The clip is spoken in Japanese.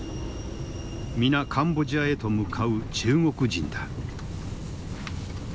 皆カンボジアへと向かう中国人だ。